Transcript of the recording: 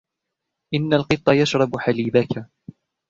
إنّ القطّ يشرب حليبك.